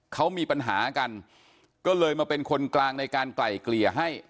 เขามีปัญหากันก็เลยมาเป็นคนกลางในการไกล่เกลี่ยให้